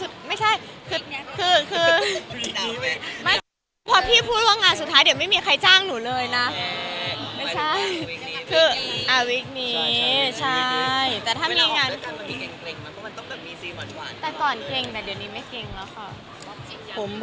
แต่ก่อนเกร็งแต่เดี๋ยวนี้ไม่เกร็งแล้วค่ะ